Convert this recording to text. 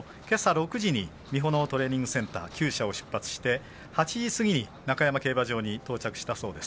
６時に美浦のトレーニング・センターきゅう舎を出発して８時過ぎに中山競馬場に到着したそうです。